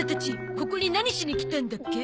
ここに何しに来たんだっけ？